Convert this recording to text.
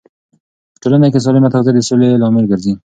په ټولنه کې سالمه تغذیه د سولې لامل ګرځي.